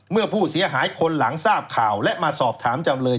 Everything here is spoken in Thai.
เมื่อผู้เสียหายคนหลังทราบข่าวและมาสอบถามจำเลย